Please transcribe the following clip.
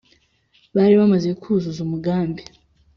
bari bamaze kuzuza umugambi